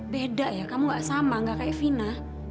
beda ya kamu gak sama gak kayak vina